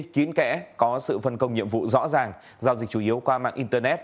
kín kẽ có sự phân công nhiệm vụ rõ ràng giao dịch chủ yếu qua mạng internet